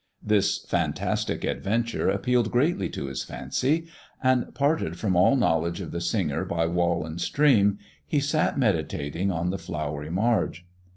This fantastic adventure appealed greatly to his fancy, and, parted from all knowledge of the singer by wall and stream, he sat meditating on the flowery marge.